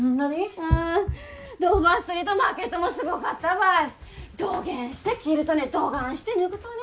うんドーバーストリートマーケットもすごかったばいどげんして着るとねどがんして脱ぐとね